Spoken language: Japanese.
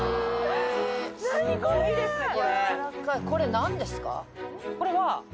これは。